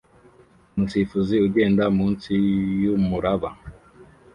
Umusifuzi ugenda munsi yumuraba